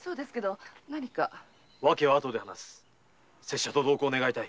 しゃと同行願いたい。